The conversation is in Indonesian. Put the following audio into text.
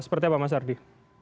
seperti apa mas ardi